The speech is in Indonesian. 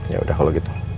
ya udah kalau gitu